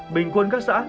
bình quân các xã